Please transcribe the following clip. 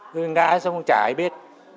cứ ngã xong không trả ai biết